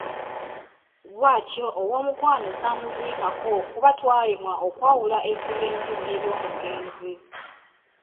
Bwatyo ow’omukwano saamuziikako kuba twalemwa okwawula evvu ly’enju n’eryomugenzi”.